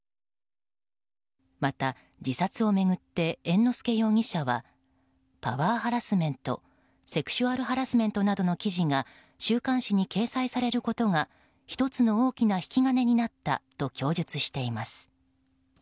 また、自殺を巡って猿之助容疑者はパワーハラスメントセクシュアルハラスメントなどの記事が週刊誌に掲載されることが１つの大きな引き金になったと供述しています。